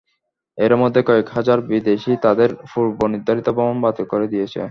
এরই মধ্যে কয়েক হাজার বিদেশি তাদের পূর্বনির্ধারিত ভ্রমণ বাতিল করে দিয়েছে।